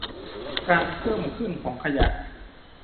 การเพิ่มขึ้นของขยะ